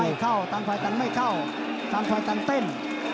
เข้าต่างฝ่ายต่างไม่เข้าต่างฝ่ายต่างเต้น